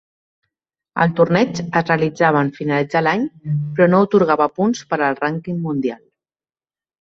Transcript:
El torneig es realitzava en finalitzar l'any però no atorgava punts per al rànquing mundial.